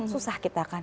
susah kita kan